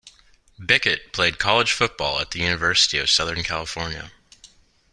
Bickett played college football at the University of Southern California.